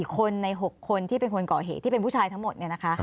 ๔คนใน๖คนที่เป็นคนเกาะเหตุที่เป็นผู้ชายทั้งหมด